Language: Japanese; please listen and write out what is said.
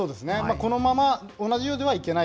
このまま、同じようではいけない。